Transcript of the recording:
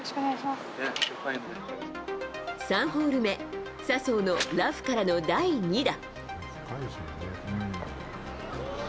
３ホール目、笹生のラフからの第２打。